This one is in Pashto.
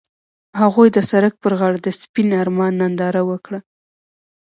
هغوی د سړک پر غاړه د سپین آرمان ننداره وکړه.